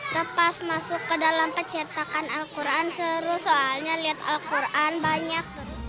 terus pas masuk ke dalam pecetakan al quran seru soalnya lihat al quran banyak